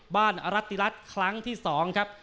อรัติรัฐครั้งที่๒ครับ